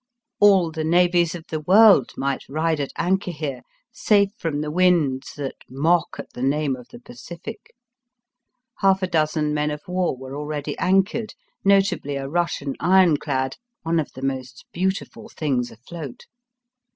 All the navies of the world might ride at anchor here safe from the winds that mock at the name of the Pacific. Half a dozen men of war were already anchored, notably a Eussian ironclad, one of the most beautiful things afloat.